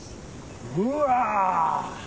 うわ！